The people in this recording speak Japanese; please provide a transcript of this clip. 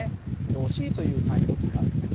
℃という単位を使うんだ。